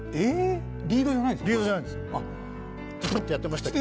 リードじゃないんです。